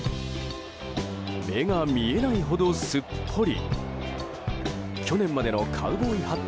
目が見えないほど、すっぽり。